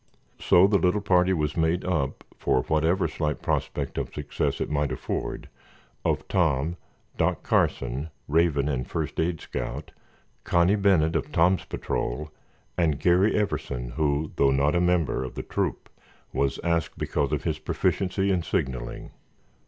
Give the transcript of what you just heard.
So the little party was made up (for whatever slight prospect of success it might afford) of Tom, Doc Carson, Raven and First Aid Scout, Connie Bennet of Tom's patrol, and Garry Everson who, though not a member of the troop, was asked because of his proficiency in signalling.